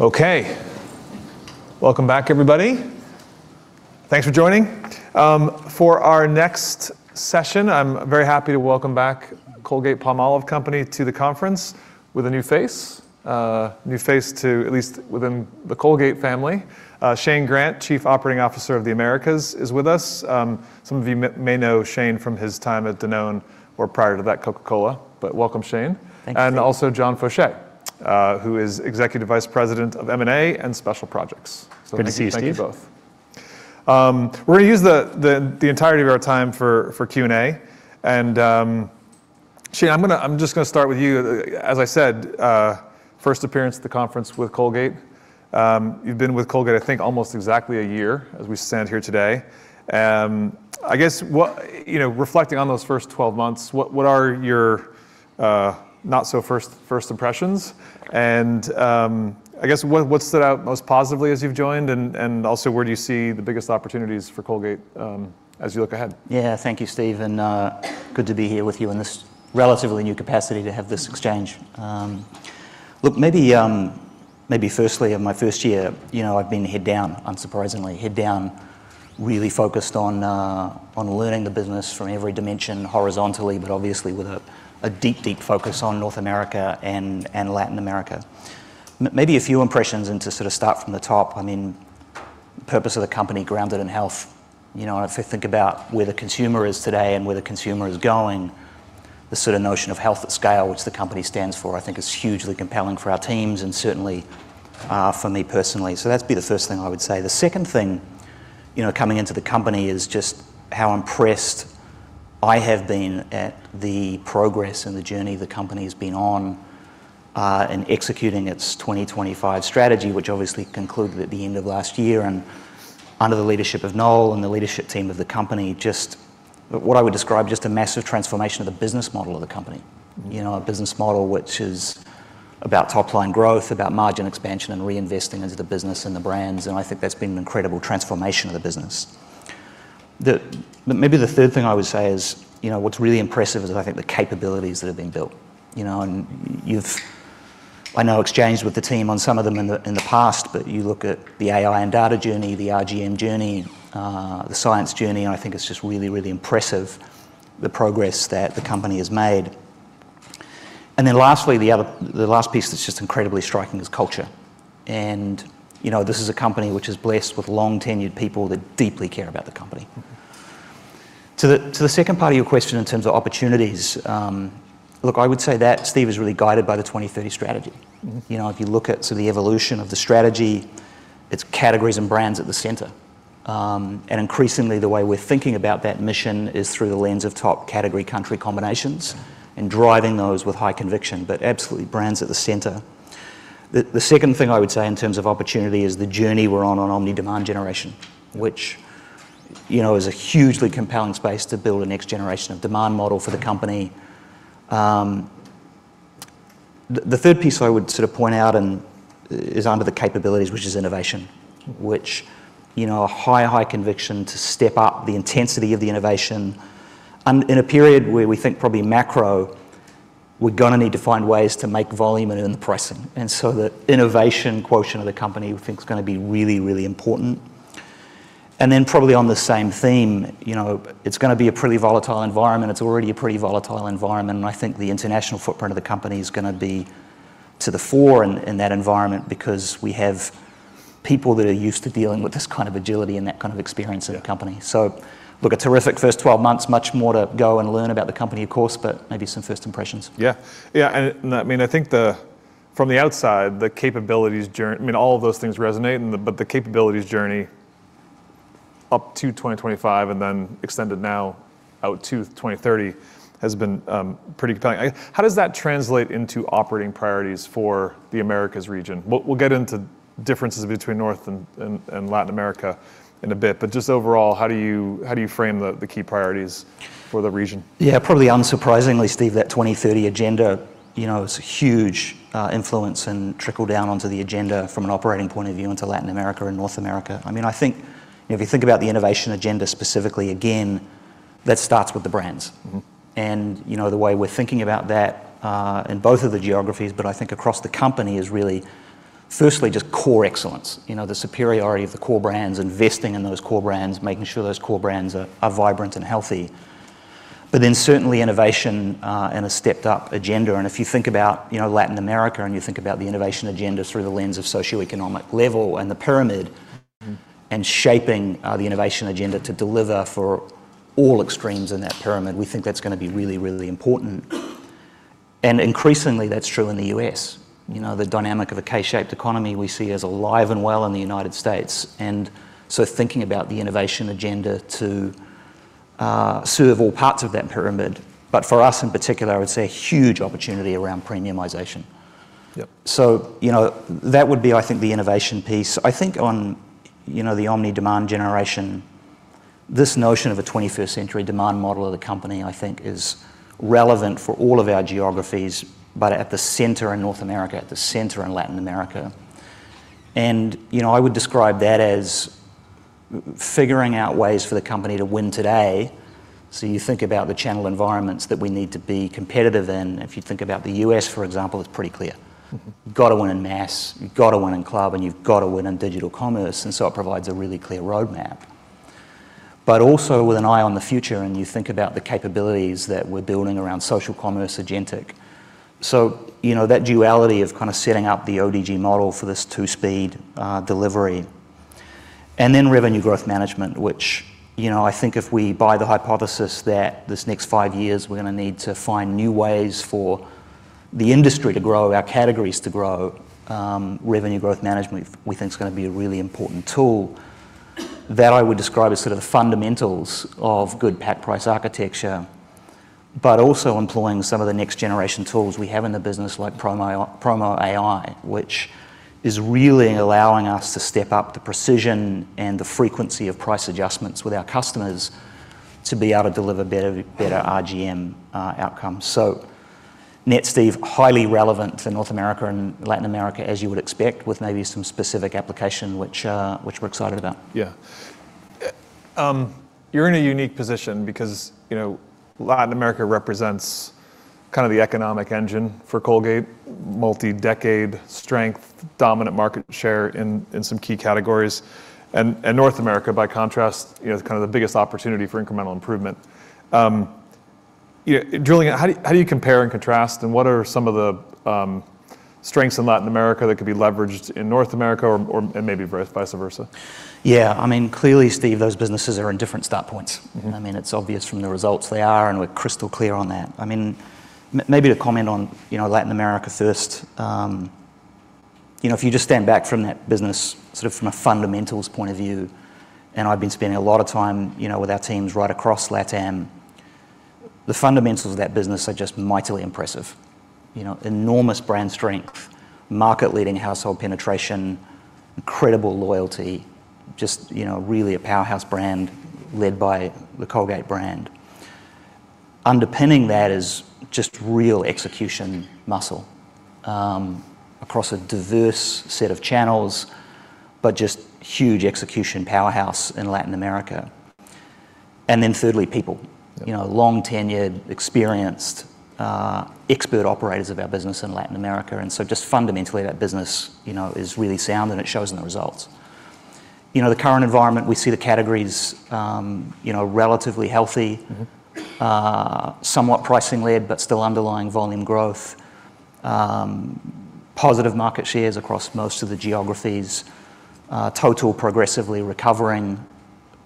Okay. Welcome back, everybody. Thanks for joining. For our next session, I'm very happy to welcome back Colgate-Palmolive Company to the conference with a new face. A new face, at least within the Colgate family. Shane Grant, Chief Operating Officer of the Americas, is with us. Some of you may know Shane from his time at Danone or prior to that, Coca-Cola. Welcome, Shane. Thanks. Also John Faucher, who is Executive Vice President of M&A and Special Projects. Good to see you, Steve. Thank you both. We're going to use the entirety of our time for Q&A, and Shane, I'm just going to start with you. As I said, first appearance at the conference with Colgate. You've been with Colgate, I think, almost exactly a year as we stand here today. I guess, reflecting on those first 12 months, what are your not so first impressions and, I guess, what stood out most positively as you've joined, and also, where do you see the biggest opportunities for Colgate as you look ahead? Yeah. Thank you, Steve, and good to be here with you in this relatively new capacity to have this exchange. Look, maybe firstly in my first year, I've been head down, unsurprisingly. Head down, really focused on learning the business from every dimension horizontally, but obviously with a deep focus on North America and Latin America. Maybe a few impressions and to sort of start from the top, purpose of the company, grounded in health. If we think about where the consumer is today and where the consumer is going, the sort of notion of health at scale, which the company stands for, I think is hugely compelling for our teams and certainly for me personally. That'd be the first thing I would say. The second thing, coming into the company, is just how impressed I have been at the progress and the journey the company's been on, in executing its 2025 Strategy, which obviously concluded at the end of last year. Under the leadership of Noel and the leadership team of the company, just what I would describe, just a massive transformation of the business model of the company. A business model which is about top-line growth, about margin expansion and reinvesting into the business and the brands, and I think that's been an incredible transformation of the business. Maybe the third thing I would say is, what's really impressive is I think the capabilities that have been built, and you've, I know, exchanged with the team on some of them in the past. You look at the AI and data journey, the RGM journey, the science journey, and I think it's just really impressive the progress that the company has made. Lastly, the last piece that's just incredibly striking is culture. This is a company which is blessed with long-tenured people that deeply care about the company. To the second part of your question in terms of opportunities, look, I would say that, Steve, is really guided by the 2030 strategy. If you look at sort of the evolution of the strategy, it's categories and brands at the center. Increasingly, the way we're thinking about that mission is through the lens of top category country combinations and driving those with high conviction. Absolutely, brands at the center. The second thing I would say in terms of opportunity is the journey we're on omnichannel demand generation, which is a hugely compelling space to build a next generation of demand model for the company. The third piece I would sort of point out, and is under the capabilities, which is innovation, which a high conviction to step up the intensity of the innovation. In a period where we think probably macro, we're going to need to find ways to make volume and earn the pricing. That innovation quotient of the company, we think, is going to be really important. Probably on the same theme, it's going to be a pretty volatile environment. It's already a pretty volatile environment, and I think the international footprint of the company's going to be to the fore in that environment because we have people that are used to dealing with this kind of agility and that kind of experience at a company. Look, a terrific first 12 months. Much more to go and learn about the company, of course, but maybe some first impressions. Yeah. I think from the outside, the capabilities journey, all of those things resonate, but the capabilities journey up to 2025 and then extended now out to 2030 has been pretty compelling. How does that translate into operating priorities for the Americas region? We'll get into differences between North and Latin America in a bit, just overall, how do you frame the key priorities for the region? Probably unsurprisingly, Steve, that 2030 strategy is a huge influence and trickle down onto the agenda from an operating point of view into Latin America and North America. I think if you think about the innovation agenda specifically, again, that starts with the brands. The way we're thinking about that, in both of the geographies, but I think across the company, is really firstly just core excellence. The superiority of the core brands, investing in those core brands, making sure those core brands are vibrant and healthy. Certainly innovation, and a stepped-up agenda. If you think about Latin America and you think about the innovation agenda through the lens of socioeconomic level and the pyramid. Shaping the innovation agenda to deliver for all extremes in that pyramid, we think that's going to be really important. Increasingly, that's true in the U.S. The dynamic of a K-shaped economy we see as alive and well in the United States, and so thinking about the innovation agenda to serve all parts of that pyramid. For us in particular, I would say a huge opportunity around premiumization. That would be, I think, the innovation piece. I think on the omni-demand generation, this notion of a 21st century demand model of the company, I think, is relevant for all of our geographies, but at the center in North America, at the center in Latin America. I would describe that as. Figuring out ways for the company to win today. You think about the channel environments that we need to be competitive in. If you think about the U.S., for example, it's pretty clear. You've got to win in mass, you've got to win in club, and you've got to win in digital commerce. It provides a really clear roadmap. Also with an eye on the future, and you think about the capabilities that we're building around social commerce, agentic. That duality of kind of setting up the ODG model for this two-speed delivery. Revenue growth management, which I think if we buy the hypothesis that this next five years, we're going to need to find new ways for the industry to grow, our categories to grow, revenue growth management we think is going to be a really important tool. That I would describe as sort of the fundamentals of good pack price architecture, but also employing some of the next-generation tools we have in the business, like Promo AI, which is really allowing us to step up the precision and the frequency of price adjustments with our customers to be able to deliver better RGM outcomes. Net, Steve, highly relevant to North America and Latin America, as you would expect, with maybe some specific application which we're excited about. Yeah. You're in a unique position because Latin America represents kind of the economic engine for Colgate, multi-decade strength, dominant market share in some key categories. North America, by contrast, is kind of the biggest opportunity for incremental improvement. Shane, how do you compare and contrast, and what are some of the strengths in Latin America that could be leveraged in North America or maybe vice versa? Yeah, clearly, Steve, those businesses are in different start points. It's obvious from the results they are. We're crystal clear on that. Maybe to comment on Latin America first. If you just stand back from that business, sort of from a fundamentals point of view, and I've been spending a lot of time with our teams right across LATAM. The fundamentals of that business are just mightily impressive. Enormous brand strength, market-leading household penetration, incredible loyalty, just really a powerhouse brand led by the Colgate brand. Underpinning that is just real execution muscle, across a diverse set of channels, but just huge execution powerhouse in Latin America. Thirdly, people. Long-tenured, experienced, expert operators of our business in Latin America. Just fundamentally, that business is really sound and it shows in the results. The current environment, we see the categories, relatively healthy. Somewhat pricing-led, but still underlying volume growth. Positive market shares across most of the geographies. Total progressively recovering,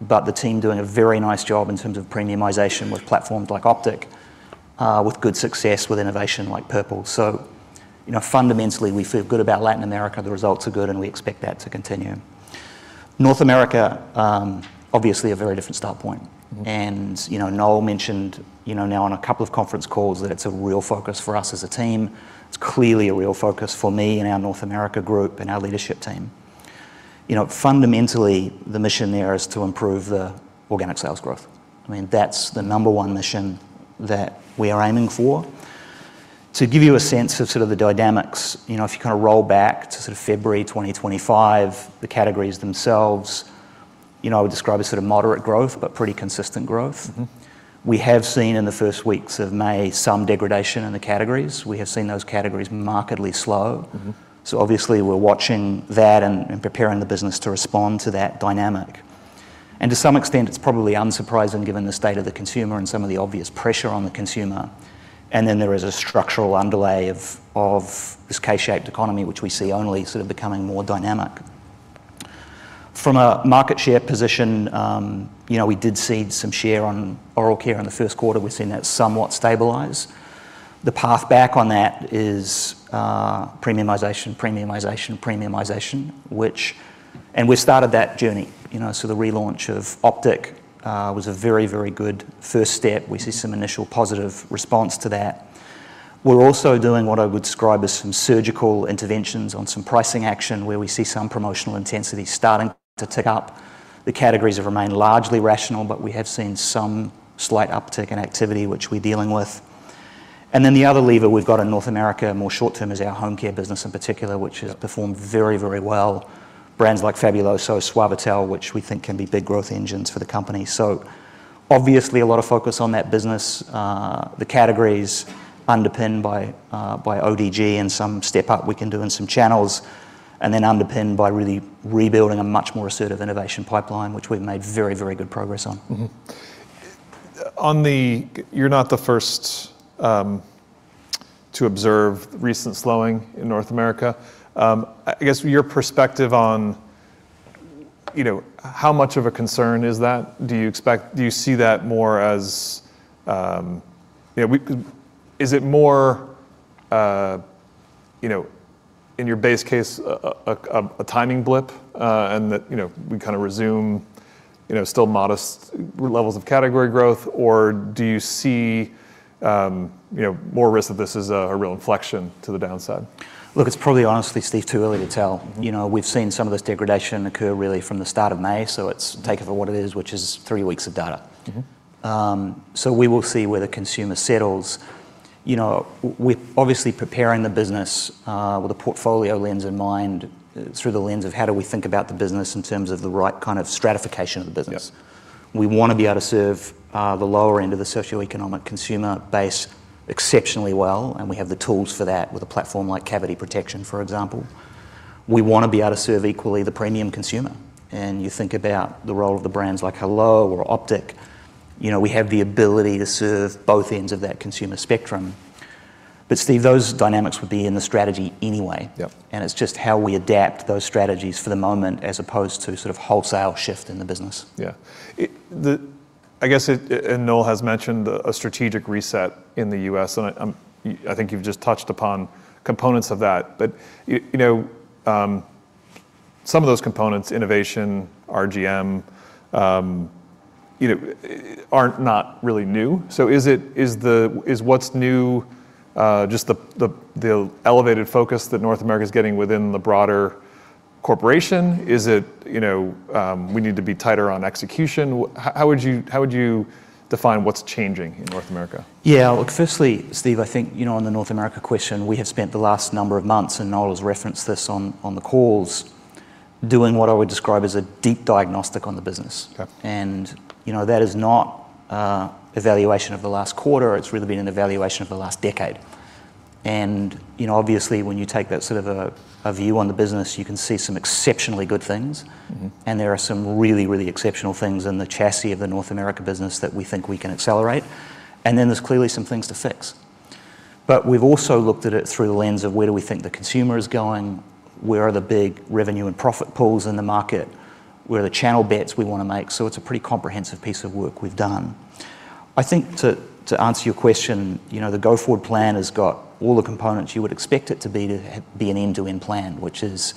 but the team doing a very nice job in terms of premiumization with platforms like Optic, with good success with innovation like Purple. Fundamentally, we feel good about Latin America. The results are good, and we expect that to continue. North America, obviously a very different start point. Noel mentioned now on a couple of conference calls that it's a real focus for us as a team. It's clearly a real focus for me and our North America group and our leadership team. Fundamentally, the mission there is to improve the organic sales growth. That's the number one mission that we are aiming for. To give you a sense of sort of the dynamics, if you roll back to February 2025, the categories themselves, I would describe as sort of moderate growth, but pretty consistent growth. We have seen in the first weeks of May some degradation in the categories. We have seen those categories markedly slow. Obviously we're watching that and preparing the business to respond to that dynamic. To some extent, it's probably unsurprising given the state of the consumer and some of the obvious pressure on the consumer. There is a structural underlay of this K-shaped economy, which we see only sort of becoming more dynamic. From a market share position, we did cede some share on oral care in the first quarter. We've seen that somewhat stabilize. The path back on that is premiumization, premiumization. We started that journey. The relaunch of Optic was a very, very good first step. We see some initial positive response to that. We're also doing what I would describe as some surgical interventions on some pricing action where we see some promotional intensity starting to tick up. The categories have remained largely rational, but we have seen some slight uptick in activity, which we're dealing with. The other lever we've got in North America, more short-term, is our home care business in particular. Which has performed very, very well. Brands like Fabuloso, Suavitel, which we think can be big growth engines for the company. Obviously a lot of focus on that business. The categories underpinned by ODG and some step-up we can do in some channels. Underpinned by really rebuilding a much more assertive innovation pipeline, which we've made very, very good progress on. You're not the first to observe recent slowing in North America. I guess your perspective on how much of a concern is that? Do you see that more as, in your base case, a timing blip, and that we kind of resume still modest levels of category growth? Or do you see more risk that this is a real inflection to the downside? Look, it's probably, honestly, Steve, too early to tell. We've seen some of this degradation occur really from the start of May, so it's take it for what it is, which is three weeks of data. We will see where the consumer settles. We're obviously preparing the business with a portfolio lens in mind, through the lens of how do we think about the business in terms of the right kind of stratification of the business. We want to be able to serve the lower end of the socioeconomic consumer base exceptionally well, and we have the tools for that with a platform like Cavity Protection, for example. We want to be able to serve equally the premium consumer. You think about the role of the brands like hello or Optic, we have the ability to serve both ends of that consumer spectrum. Steve, those dynamics would be in the strategy anyway. It's just how we adapt those strategies for the moment as opposed to sort of wholesale shift in the business. Yeah. Noel has mentioned a strategic reset in the U.S., I think you've just touched upon components of that. Some of those components, innovation, RGM, are not really new. Is what's new just the elevated focus that North America's getting within the broader corporation? Is it we need to be tighter on execution? How would you define what's changing in North America? Yeah. Look, firstly, Steve, I think, on the North America question, we have spent the last number of months, and Noel has referenced this on the calls, doing what I would describe as a deep diagnostic on the business. That is not a evaluation of the last quarter, it's really been an evaluation of the last decade. Obviously, when you take that sort of a view on the business, you can see some exceptionally good things. There are some really, really exceptional things in the chassis of the North America business that we think we can accelerate. There's clearly some things to fix. We've also looked at it through the lens of where do we think the consumer is going, where are the big revenue and profit pools in the market, where are the channel bets we want to make? It's a pretty comprehensive piece of work we've done. I think to answer your question, the go-forward plan has got all the components you would expect it to be to be an end-to-end plan, which is,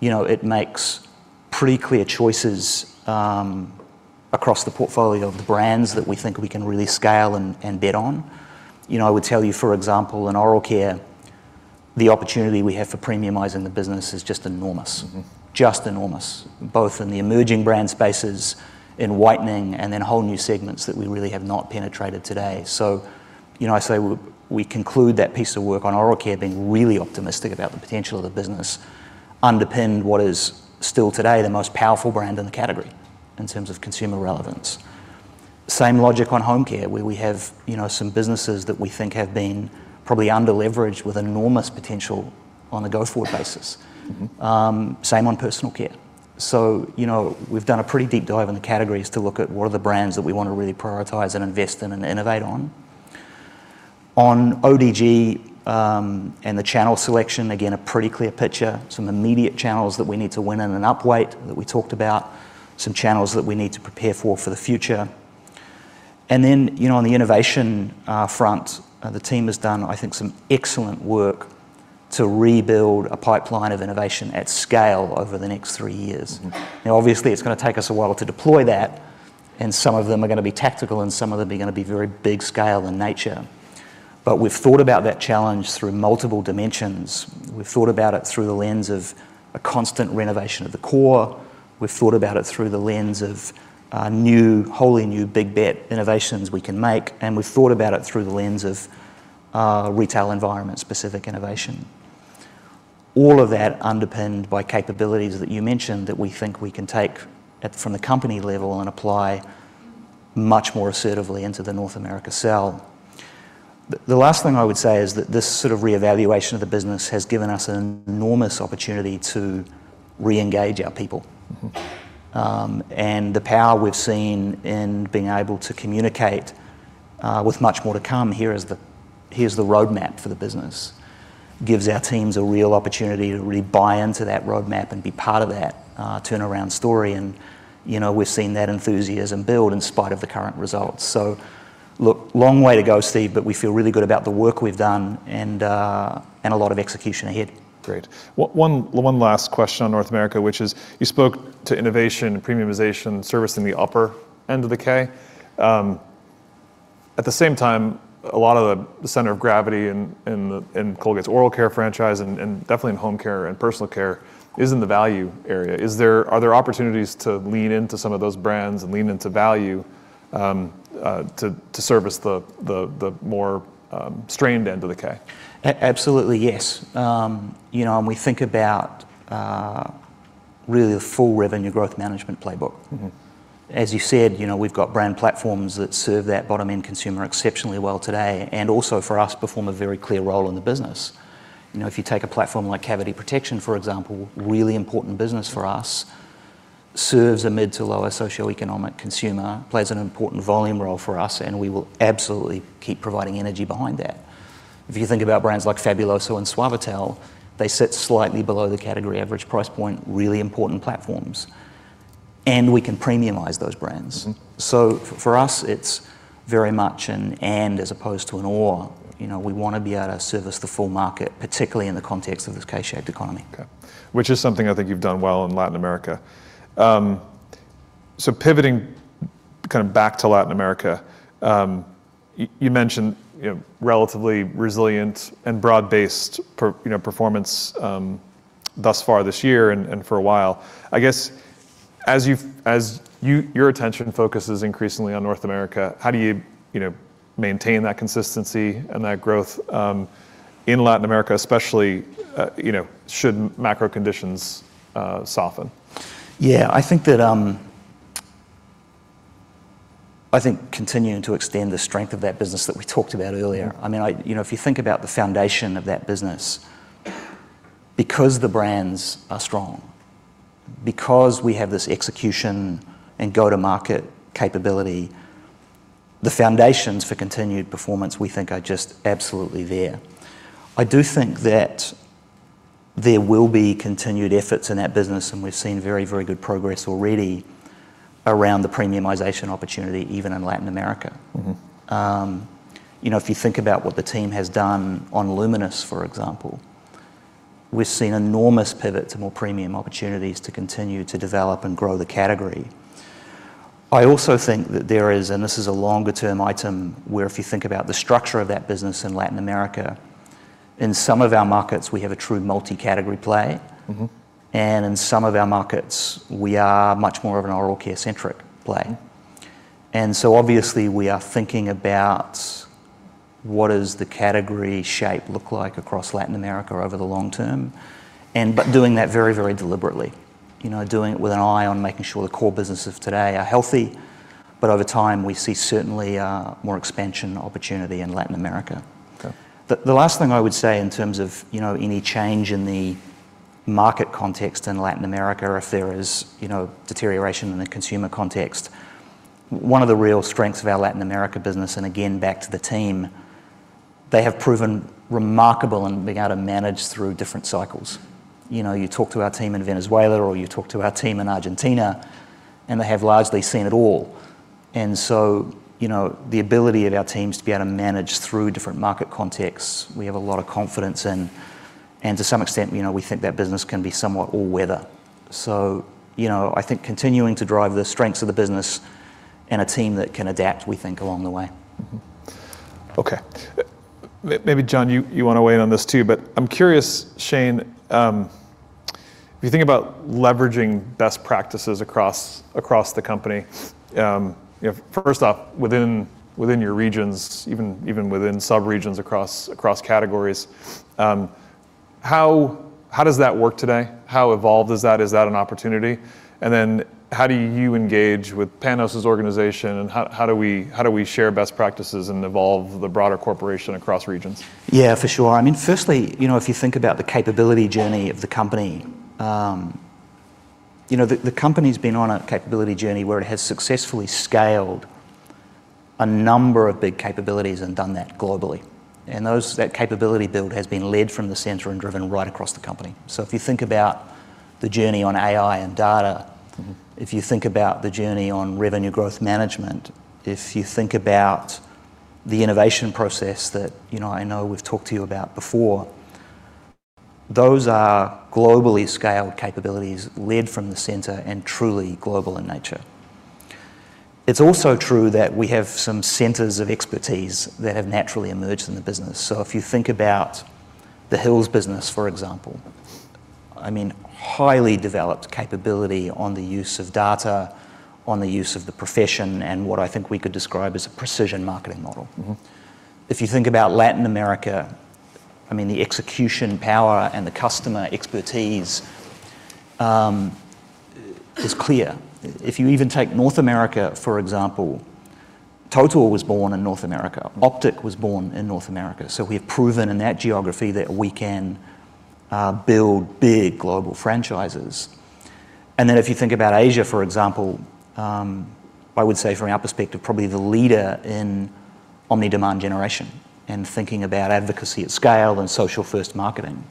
it makes pretty clear choices across the portfolio of the brands that we think we can really scale and bet on. I would tell you, for example, in oral care, the opportunity we have for premiumizing the business is just enormous. Just enormous. Both in the emerging brand spaces, in whitening, and then whole new segments that we really have not penetrated today. I say we conclude that piece of work on oral care being really optimistic about the potential of the business, underpinned what is still today the most powerful brand in the category in terms of consumer relevance. Same logic on home care, where we have some businesses that we think have been probably under-leveraged with enormous potential on a go-forward basis. Same on personal care. We've done a pretty deep dive in the categories to look at what are the brands that we want to really prioritize and invest in and innovate on. On ODG, and the channel selection, again, a pretty clear picture. Some immediate channels that we need to win and upweight that we talked about, some channels that we need to prepare for for the future. On the innovation front, the team has done, I think, some excellent work to rebuild a pipeline of innovation at scale over the next three years. Obviously, it's going to take us a while to deploy that, and some of them are going to be tactical, and some of them are going to be very big scale in nature. We've thought about that challenge through multiple dimensions. We've thought about it through the lens of a constant renovation of the core. We've thought about it through the lens of new, wholly new big, bet innovations we can make. We've thought about it through the lens of retail environment-specific innovation. All of that underpinned by capabilities that you mentioned, that we think we can take from the company level and apply much more assertively into the North America sell. The last thing I would say is that this sort of reevaluation of the business has given us an enormous opportunity to reengage our people. The power we've seen in being able to communicate with much more to come, here's the roadmap for the business, gives our teams a real opportunity to really buy into that roadmap and be part of that turnaround story. We've seen that enthusiasm build in spite of the current results. Look, long way to go, Steve, but we feel really good about the work we've done and a lot of execution ahead. Great. One last question on North America, which is you spoke to innovation, premiumization, servicing the upper end of the K. At the same time, a lot of the center of gravity in Colgate's oral care franchise and definitely in home care and personal care is in the value area. Are there opportunities to lean into some of those brands and lean into value to service the more strained end of the K? Absolutely, yes. We think about really the full revenue growth management playbook. As you said, we've got brand platforms that serve that bottom-end consumer exceptionally well today, and also for us, perform a very clear role in the business. If you take a platform like Cavity Protection, for example, really important business for us, serves a mid to lower socioeconomic consumer, plays an important volume role for us, and we will absolutely keep providing energy behind that. If you think about brands like Fabuloso and Suavitel, they sit slightly below the category average price point, really important platforms, and we can premiumize those brands. For us, it's very much an and as opposed to an or. We want to be able to service the full market, particularly in the context of this K-shaped economy. Okay. Which is something I think you've done well in Latin America. Pivoting kind of back to Latin America. You mentioned relatively resilient and broad-based performance thus far this year and for a while. As your attention focuses increasingly on North America, how do you maintain that consistency and that growth in Latin America, especially should macro conditions soften? Yeah. I think continuing to extend the strength of that business that we talked about earlier. If you think about the foundation of that business, because the brands are strong, because we have this execution and go-to-market capability, the foundations for continued performance we think are just absolutely there. I do think that there will be continued efforts in that business, and we've seen very, very good progress already around the premiumization opportunity, even in Latin America. If you think about what the team has done on Luminous, for example, we've seen enormous pivot to more premium opportunities to continue to develop and grow the category. I also think that there is, and this is a longer-term item, where if you think about the structure of that business in Latin America, in some of our markets, we have a true multi-category play. In some of our markets, we are much more of an oral care-centric play. Obviously, we are thinking about what does the category shape look like across Latin America over the long term, but doing that very, very deliberately. Doing it with an eye on making sure the core businesses of today are healthy. Over time, we see certainly more expansion opportunity in Latin America. The last thing I would say in terms of any change in the market context in Latin America, if there is deterioration in the consumer context, one of the real strengths of our Latin America business, and again, back to the team, they have proven remarkable in being able to manage through different cycles. You talk to our team in Venezuela, or you talk to our team in Argentina, and they have largely seen it all. The ability of our teams to be able to manage through different market contexts, we have a lot of confidence in, and to some extent we think that business can be somewhat all-weather. I think continuing to drive the strengths of the business and a team that can adapt, we think, along the way. Okay. Maybe John, you want to weigh in on this too, but I'm curious, Shane, if you think about leveraging best practices across the company, first off within your regions, even within subregions across categories, how does that work today? How evolved is that? Is that an opportunity? Then how do you engage with Panos' organization, and how do we share best practices and evolve the broader corporation across regions? Yeah, for sure. Firstly, if you think about the capability journey of the company, the company's been on a capability journey where it has successfully scaled a number of big capabilities and done that globally. That capability build has been led from the center and driven right across the company. If you think about the journey on AI and data. If you think about the journey on revenue growth management, if you think about the innovation process that I know we've talked to you about before, those are globally scaled capabilities led from the center and truly global in nature. It's also true that we have some centers of expertise that have naturally emerged in the business. If you think about the Hill's business, for example, highly developed capability on the use of data, on the use of the profession, and what I think we could describe as a precision marketing model. If you think about Latin America, the execution power and the customer expertise is clear. If you even take North America, for example, Total was born in North America. Optic was born in North America. We have proven in that geography that we can build big global franchises. If you think about Asia, for example, I would say from our perspective, probably the leader in omni-demand generation and thinking about advocacy at scale and social-first marketing.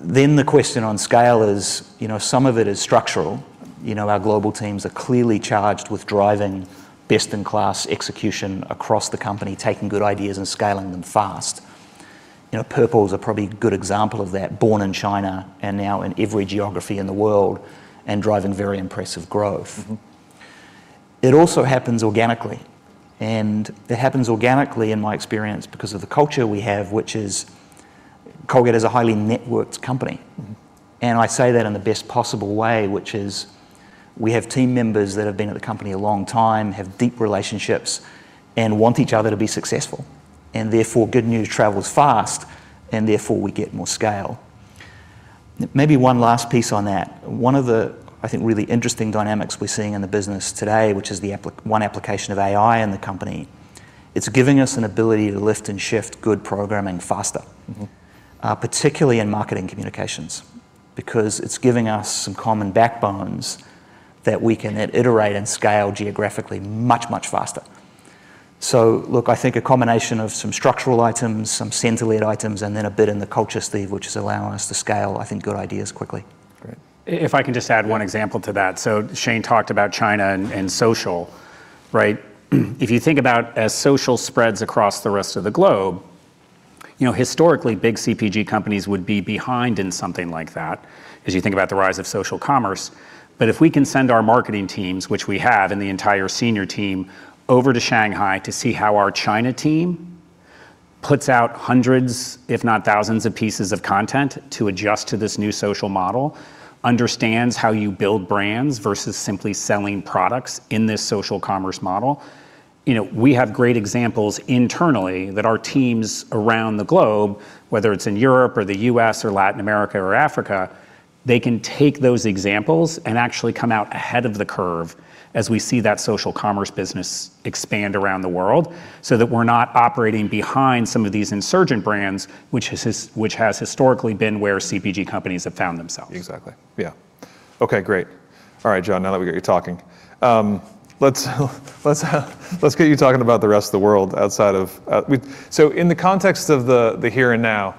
The question on scale is, some of it is structural. Our global teams are clearly charged with driving best-in-class execution across the company, taking good ideas and scaling them fast. Purple's a probably good example of that, born in China and now in every geography in the world and driving very impressive growth. It also happens organically, and it happens organically in my experience because of the culture we have, which is Colgate is a highly networked company. I say that in the best possible way, which is we have team members that have been at the company a long time, have deep relationships, and want each other to be successful. Therefore, good news travels fast, and therefore we get more scale. Maybe one last piece on that. One of the, I think, really interesting dynamics we're seeing in the business today, which is the one application of AI in the company, it's giving us an ability to lift and shift good programming faster. Particularly in marketing communications, because it's giving us some common backbones that we can then iterate and scale geographically much, much faster. Look, I think a combination of some structural items, some center-led items, and then a bit in the culture, Steve, which is allowing us to scale, I think, good ideas quickly. Great. If I can just add one example to that. Shane talked about China and social, right? If you think about as social spreads across the rest of the globe, historically, big CPG companies would be behind in something like that, as you think about the rise of social commerce. If we can send our marketing teams, which we have, and the entire senior team over to Shanghai to see how our China team puts out hundreds, if not thousands, of pieces of content to adjust to this new social model, understands how you build brands versus simply selling products in this social commerce model. We have great examples internally that our teams around the globe, whether it's in Europe or the U.S. or Latin America or Africa, they can take those examples and actually come out ahead of the curve as we see that social commerce business expand around the world so that we're not operating behind some of these insurgent brands, which has historically been where CPG companies have found themselves. Exactly. Yeah. Okay, great. All right, John, now that we've got you talking. Let's get you talking about the rest of the world. In the context of the here and now,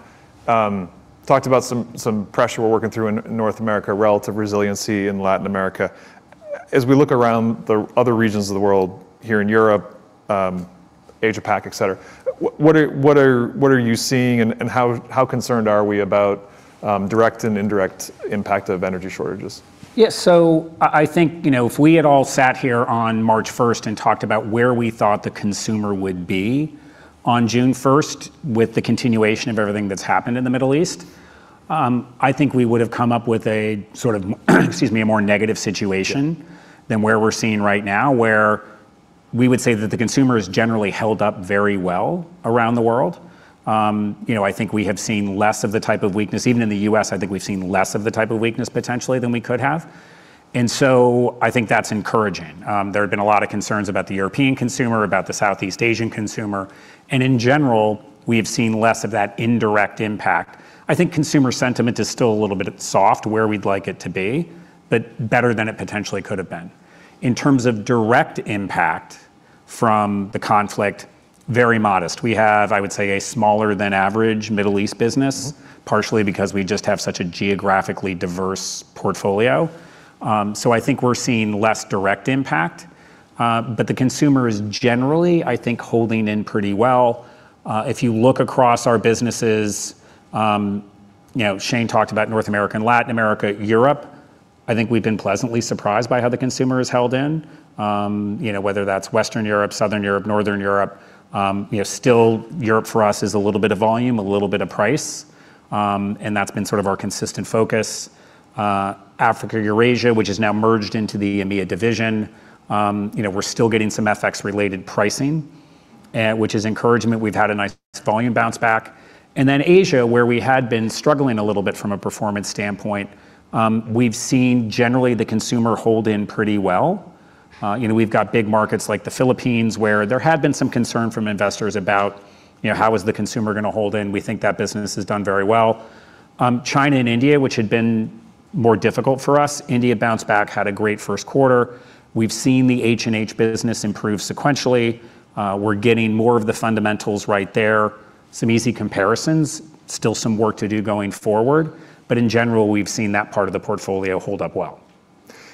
talked about some pressure we're working through in North America, relative resiliency in Latin America. As we look around the other regions of the world, here in Europe, Asia Pac, et cetera, what are you seeing and how concerned are we about direct and indirect impact of energy shortages? I think, if we had all sat here on March 1st and talked about where we thought the consumer would be on June 1st with the continuation of everything that's happened in the Middle East, I think we would've come up with a more negative situation than where we're sitting right now, where we would say that the consumer has generally held up very well around the world. I think we have seen less of the type of weakness, even in the U.S., I think we've seen less of the type of weakness potentially than we could have. I think that's encouraging. There have been a lot of concerns about the European consumer, about the Southeast Asian consumer, and in general, we have seen less of that indirect impact. I think consumer sentiment is still a little bit soft where we'd like it to be, but better than it potentially could have been. In terms of direct impact from the conflict, very modest. We have, I would say, a smaller than average Middle East business, partially because we just have such a geographically diverse portfolio. I think we're seeing less direct impact. The consumer is generally, I think, holding in pretty well. If you look across our businesses, Shane talked about North America and Latin America, Europe, I think we've been pleasantly surprised by how the consumer has held in. Whether that's Western Europe, Southern Europe, Northern Europe. Still Europe for us is a little bit of volume, a little bit of price, and that's been sort of our consistent focus. Africa, Eurasia, which has now merged into the EMEA division. We're still getting some FX related pricing, which is encouragement. We've had a nice volume bounce back. Asia, where we had been struggling a little bit from a performance standpoint, we've seen generally the consumer hold in pretty well. We've got big markets like the Philippines where there had been some concern from investors about how is the consumer going to hold in. We think that business has done very well. China and India, which had been more difficult for us, India bounced back, had a great first quarter. We've seen the H&H business improve sequentially. We're getting more of the fundamentals right there. Some easy comparisons. Still some work to do going forward, but in general, we've seen that part of the portfolio hold up well.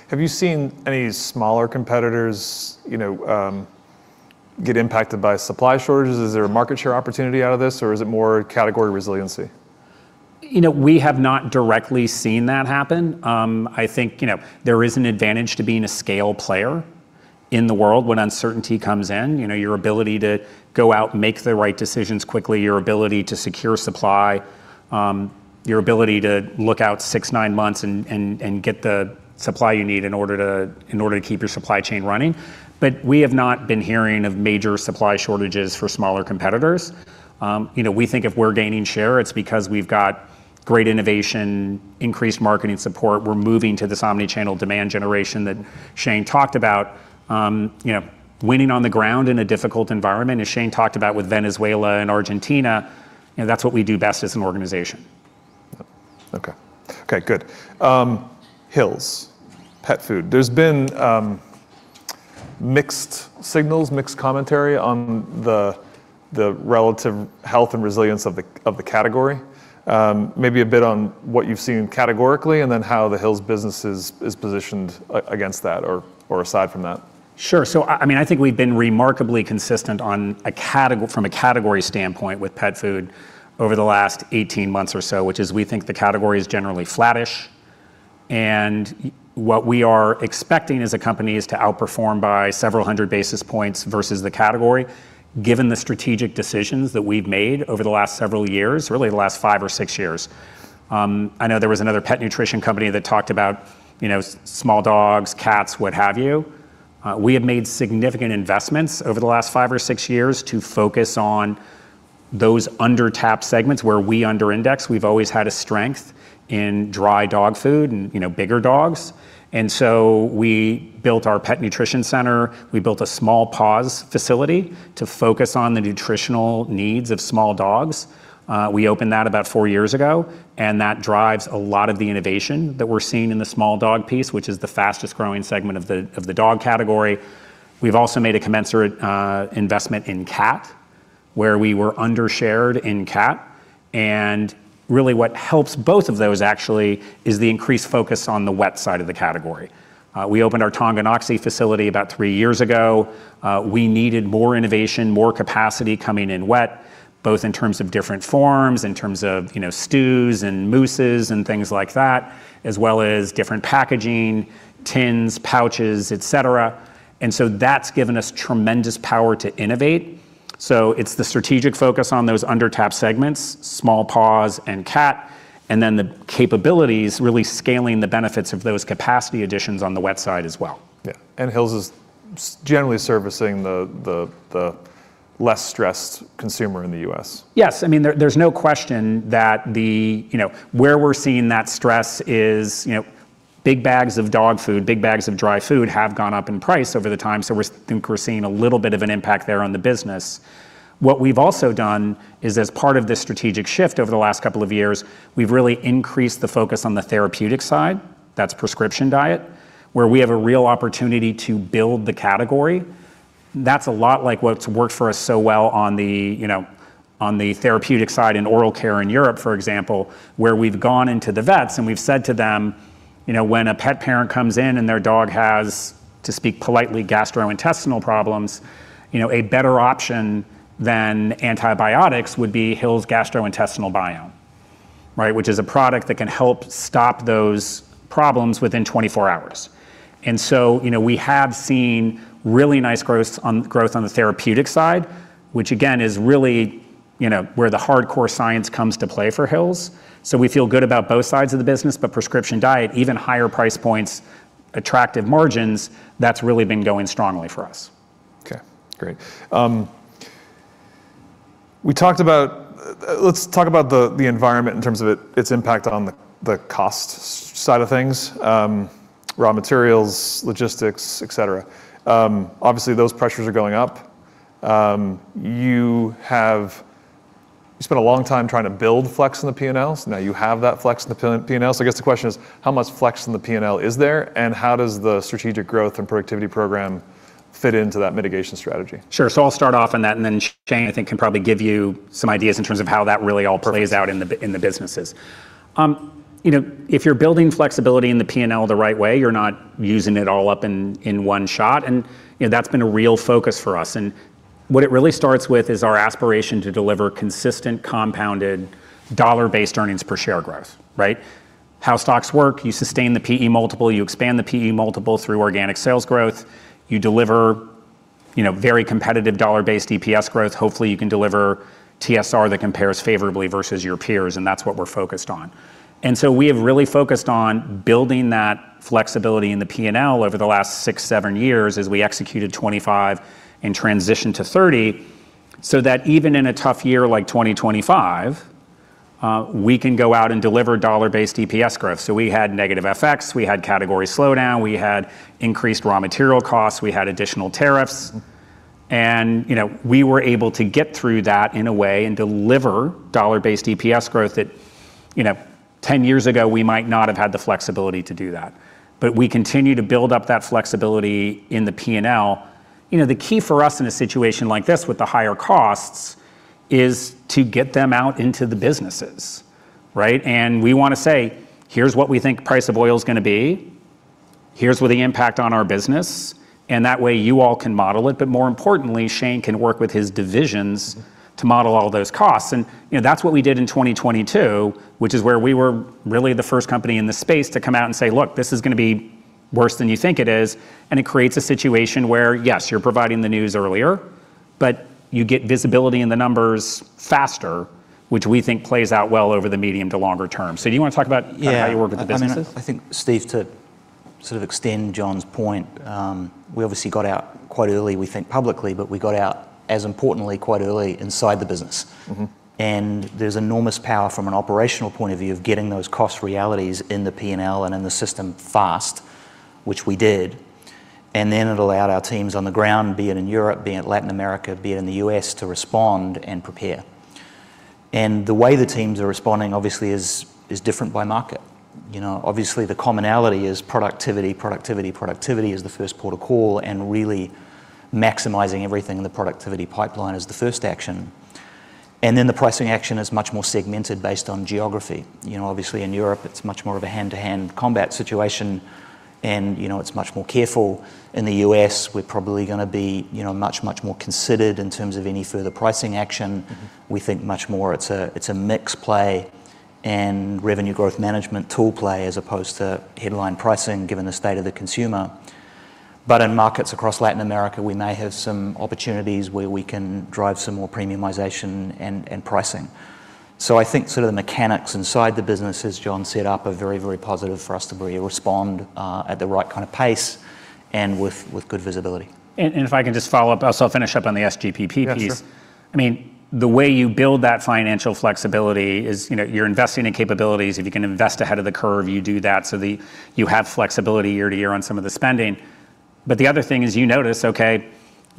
Have you seen any smaller competitors get impacted by supply shortages? Is there a market share opportunity out of this, or is it more category resiliency? We have not directly seen that happen. I think there is an advantage to being a scale player in the world when uncertainty comes in. Your ability to go out and make the right decisions quickly, your ability to secure supply, your ability to look out six, nine months and get the supply you need in order to keep your supply chain running. We have not been hearing of major supply shortages for smaller competitors. We think if we're gaining share, it's because we've got great innovation, increased marketing support, we're moving to this omnichannel demand generation that Shane talked about. Winning on the ground in a difficult environment, as Shane talked about with Venezuela and Argentina, that's what we do best as an organization. Okay. Good. Hill's Pet Nutrition. There's been mixed signals, mixed commentary on the relative health and resilience of the category. Maybe a bit on what you've seen categorically and then how the Hill's business is positioned against that or aside from that. Sure. I think we've been remarkably consistent from a category standpoint with pet food over the last 18 months or so, which is we think the category is generally flattish. What we are expecting as a company is to outperform by several hundred basis points versus the category, given the strategic decisions that we've made over the last several years, really the last five or six years. I know there was another pet nutrition company that talked about small dogs, cats, what have you. We have made significant investments over the last five or six years to focus on those under-tapped segments where we under-index. We've always had a strength in dry dog food and bigger dogs. We built our Pet Nutrition Center. We built a Small Paws facility to focus on the nutritional needs of small dogs. We opened that about four years ago. That drives a lot of the innovation that we're seeing in the Small Paws, which is the fastest growing segment of the dog category. We've also made a commensurate investment in cat, where we were under-shared in cat. Really what helps both of those, actually, is the increased focus on the wet side of the category. We opened our Tonganoxie facility about three years ago. We needed more innovation, more capacity coming in wet, both in terms of different forms, in terms of stews and mousses and things like that, as well as different packaging, tins, pouches, et cetera. That's given us tremendous power to innovate. It's the strategic focus on those under-tapped segments, Small Paws and cat. The capabilities really scaling the benefits of those capacity additions on the wet side as well. Yeah. Hill's is generally servicing the less stressed consumer in the U.S. Yes. There's no question that where we're seeing that stress is big bags of dog food, big bags of dry food have gone up in price over the time. We think we're seeing a little bit of an impact there on the business. What we've also done is, as part of this strategic shift over the last couple of years, we've really increased the focus on the therapeutic side. That's Prescription Diet, where we have a real opportunity to build the category. That's a lot like what's worked for us so well on the therapeutic side in oral care in Europe, for example, where we've gone into the vets and we've said to them, "When a pet parent comes in and their dog has, to speak politely, gastrointestinal problems, a better option than antibiotics would be Hill's Gastrointestinal Biome," which is a product that can help stop those problems within 24 hours. We have seen really nice growth on the therapeutic side, which again is really where the hardcore science comes to play for Hill's. We feel good about both sides of the business, but Prescription Diet, even higher price points, attractive margins, that's really been going strongly for us. Okay, great. Let's talk about the environment in terms of its impact on the cost side of things, raw materials, logistics, et cetera. Obviously, those pressures are going up. You spent a long time trying to build flex in the P&Ls. Now you have that flex in the P&L. I guess the question is, how much flex in the P&L is there, and how does the Strategic Growth and Productivity Program fit into that mitigation strategy? Sure. I'll start off on that, and then Shane, I think, can probably give you some ideas in terms of how that really all plays out in the businesses. If you're building flexibility in the P&L the right way, you're not using it all up in one shot, and that's been a real focus for us. What it really starts with is our aspiration to deliver consistent, compounded dollar-based earnings per share growth. Right? How stocks work, you sustain the P/E multiple, you expand the P/E multiple through organic sales growth. You deliver very competitive dollar-based EPS growth. Hopefully, you can deliver TSR that compares favorably versus your peers, and that's what we're focused on. We have really focused on building that flexibility in the P&L over the last six, seven years as we executed 2025 and transition to 2030, so that even in a tough year like 2025, we can go out and deliver dollar-based EPS growth. We had negative FX, we had category slowdown, we had increased raw material costs, we had additional tariffs, and we were able to get through that in a way and deliver dollar-based EPS growth that 10 years ago, we might not have had the flexibility to do that. We continue to build up that flexibility in the P&L. The key for us in a situation like this with the higher costs is to get them out into the businesses. Right. We want to say, Here's what we think price of oil is going to be. Here's what the impact on our business. That way, you all can model it, but more importantly, Shane can work with his divisions to model all those costs. That's what we did in 2022, which is where we were really the first company in the space to come out and say, "Look, this is going to be worse than you think it is." It creates a situation where, yes, you're providing the news earlier, but you get visibility in the numbers faster, which we think plays out well over the medium to longer term. Do you want to talk about how you work with the businesses? Yeah. I think, Steve, to sort of extend John's point, we obviously got out quite early, we think publicly, but we got out, as importantly, quite early inside the business. There's enormous power from an operational point of view of getting those cost realities in the P&L and in the system fast, which we did. Then it allowed our teams on the ground, be it in Europe, be it Latin America, be it in the U.S., to respond and prepare. The way the teams are responding, obviously, is different by market. Obviously, the commonality is productivity, productivity as the first port of call, and really maximizing everything in the productivity pipeline as the first action. Then the pricing action is much more segmented based on geography. Obviously, in Europe, it's much more of a hand-to-hand combat situation and it's much more careful. In the U.S., we're probably going to be much, much more considered in terms of any further pricing action. We think much more it's a mix play and revenue growth management tool play as opposed to headline pricing, given the state of the consumer. In markets across Latin America, we may have some opportunities where we can drive some more premiumization and pricing. I think the mechanics inside the business, as John set up, are very, very positive for us to be able to respond at the right kind of pace and with good visibility. If I can just follow up, I'll finish up on the SGPP piece. Yeah, sure. The way you build that financial flexibility is you're investing in capabilities. If you can invest ahead of the curve, you do that so you have flexibility year to year on some of the spending. The other thing is you notice, okay,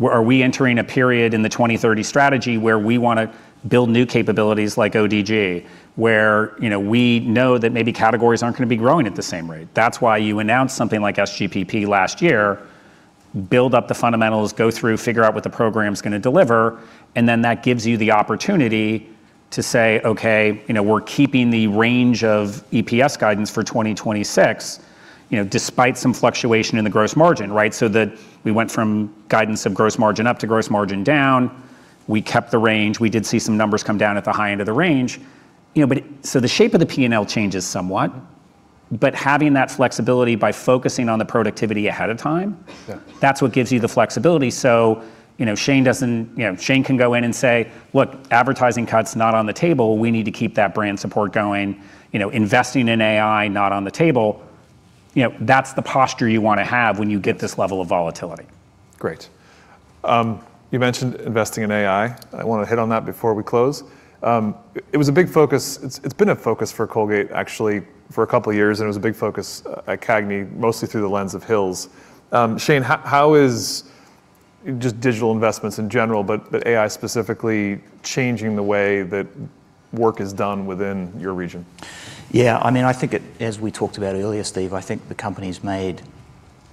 are we entering a period in the 2030 strategy where we want to build new capabilities like ODG, where we know that maybe categories aren't going to be growing at the same rate. That's why you announce something like SGPP last year, build up the fundamentals, go through, figure out what the program's going to deliver, and then that gives you the opportunity to say, "Okay, we're keeping the range of EPS guidance for 2026 despite some fluctuation in the gross margin." That we went from guidance of gross margin up to gross margin down. We kept the range. We did see some numbers come down at the high end of the range. The shape of the P&L changes somewhat. Having that flexibility by focusing on the productivity ahead of time. That's what gives you the flexibility. Shane can go in and say, "Look, advertising cut's not on the table. We need to keep that brand support going." You know, investing in AI, not on the table. That's the posture you want to have when you get this level of volatility. Great. You mentioned investing in AI. I want to hit on that before we close. It's been a focus for Colgate, actually, for a couple of years, and it was a big focus at CAGNY, mostly through the lens of Hill's. Shane, how is just digital investments in general, but AI specifically, changing the way that work is done within your region? Yeah. I think, as we talked about earlier, Steve, I think the company's made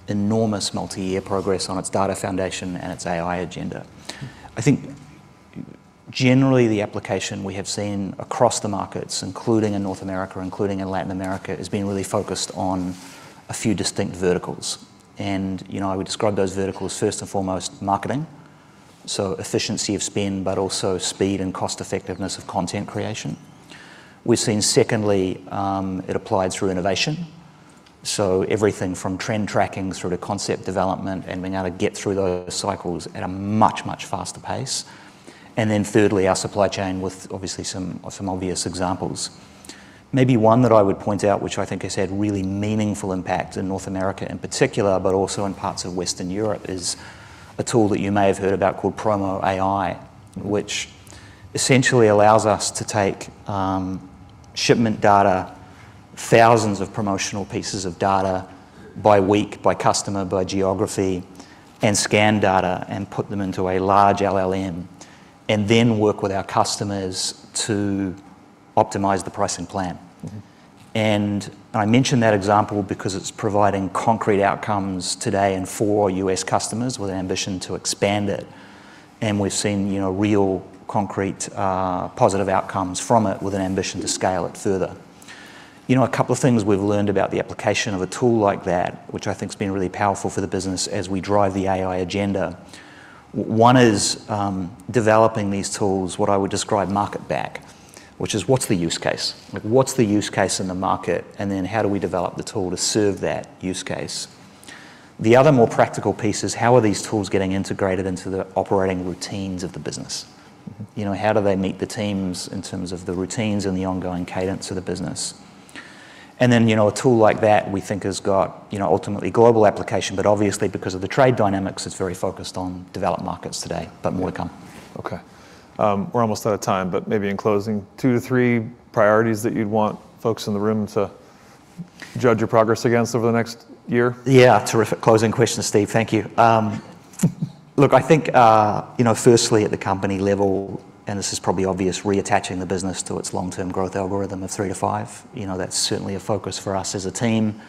enormous multi-year progress on its data foundation and its AI agenda. I think generally, the application we have seen across the markets, including in North America, including in Latin America, has been really focused on a few distinct verticals. I would describe those verticals first and foremost, marketing. Efficiency of spend, but also speed and cost-effectiveness of content creation. We've seen secondly, it applied through innovation. Everything from trend tracking through to concept development and being able to get through those cycles at a much, much faster pace. Thirdly, our supply chain with obviously some obvious examples. Maybe one that I would point out, which I think has had really meaningful impact in North America in particular, but also in parts of Western Europe, is a tool that you may have heard about called Promo AI, which essentially allows us to take shipment data, thousands of promotional pieces of data by week, by customer, by geography, and scan data and put them into a large LLM, and then work with our customers to optimize the pricing plan. I mention that example because it's providing concrete outcomes today and for U.S. customers with an ambition to expand it. We've seen real, concrete, positive outcomes from it with an ambition to scale it further. A couple of things we've learned about the application of a tool like that, which I think has been really powerful for the business as we drive the AI agenda. One is, developing these tools, what I would describe market back, which is what's the use case? What's the use case in the market, and then how do we develop the tool to serve that use case? The other more practical piece is how are these tools getting integrated into the operating routines of the business? How do they meet the teams in terms of the routines and the ongoing cadence of the business? A tool like that we think has got ultimately global application, but obviously because of the trade dynamics, it's very focused on developed markets today, but more to come. We're almost out of time, but maybe in closing, two to three priorities that you'd want folks in the room to judge your progress against over the next year. Terrific closing question, Steve. Thank you. I think, firstly at the company level, and this is probably obvious, reattaching the business to its long-term growth algorithm of 3%-5%. That's certainly a focus for us as a team.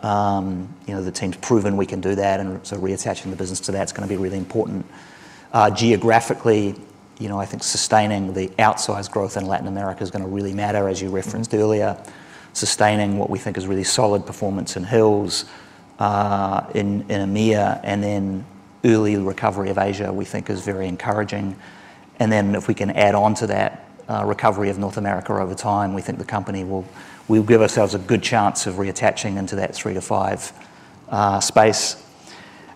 The team's proven we can do that, reattaching the business to that's going to be really important. Geographically, I think sustaining the outsize growth in Latin America is going to really matter, as you referenced earlier. Sustaining what we think is really solid performance in Hill's, in EMEA, early recovery of Asia, we think is very encouraging. If we can add on to that, recovery of North America over time, we think the company will give ourselves a good chance of reattaching into that 3%-5% space.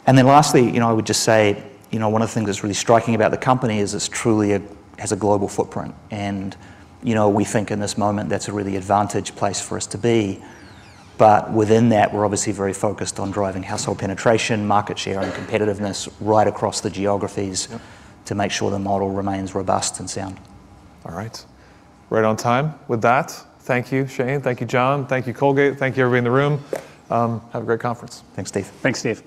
Lastly, I would just say, one of the things that's really striking about the company is this truly has a global footprint. We think in this moment, that's a really advantaged place for us to be. Within that, we're obviously very focused on driving household penetration, market share, and competitiveness right across the geographies to make sure the model remains robust and sound. All right. Right on time. With that, thank you, Shane. Thank you, John. Thank you, Colgate. Thank you, everybody in the room. Have a great conference. Thanks, Steve. Thanks, Steve.